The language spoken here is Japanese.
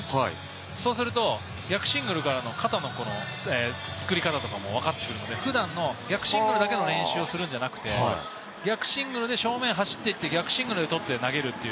そうすると逆シングルからの肩の作り方がわかってくるので、逆シングルだけの練習をするんじゃなくて、逆シングルで正面に走っていって、逆シングルで取って投げる。